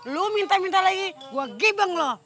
lu minta minta lagi gua gibeng loh